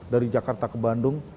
dari jakarta ke bandung